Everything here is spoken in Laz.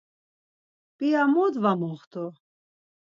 P̆ia mot va moxtu?